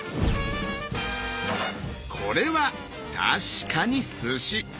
これは確かにすし！